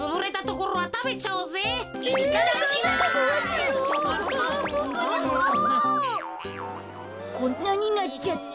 こんなになっちゃった。